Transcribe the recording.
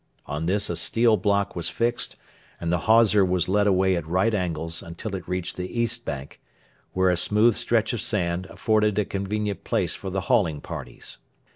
On this a steel block was fixed, and the hawser was led away at right angles until it reached the east bank, where a smooth stretch of sand afforded a convenient place for the hauling parties.